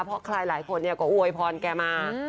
เพราะใครหลายคนก็อวยพรแกมา